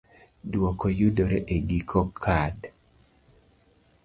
Dwoko yudore e giko kad.